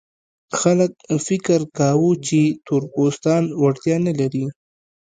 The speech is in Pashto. خلک فکر کاوه چې تور پوستان وړتیا نه لري.